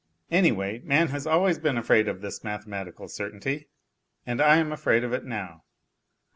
Any way, man has always been afraid of this mathematical certainty, .and I am afraid of it now.